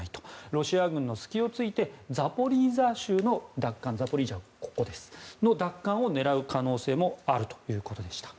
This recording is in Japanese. ロシア軍の隙を突いてザポリージャ州の奪還を狙う可能性もあるということでした。